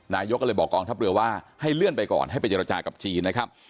นายกก็เลยบอกกองทัพเรือว่าให้เลื่อนไปก่อนให้ไปเจรจากับจีนนะครับ